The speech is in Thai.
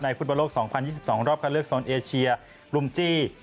ฟุตบอลโลก๒๐๒๒รอบคันเลือกโซนเอเชียลุมจี้